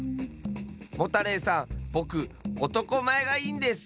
モタレイさんぼくおとこまえがいいんです！